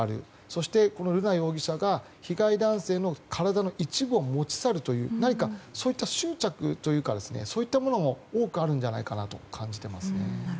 そして、瑠奈容疑者が被害男性の体の一部を持ち去るという何か、執着というかそういったものが多くあるんじゃないかと感じています。